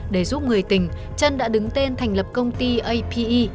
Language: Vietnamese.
để giúp người tình trân đã đứng tên thành lập công ty ape